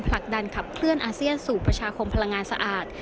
ผลักดันขับเคลื่อนอาเซียนสู่ประชาคมพลังงานสะอาด